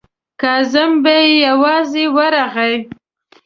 کازم بې یوازې ورغی.